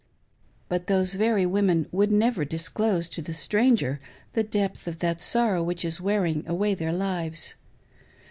But those very women would never dis close to the stranger the depth of that sorrow which is wearing away their lives.